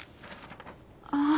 ああ。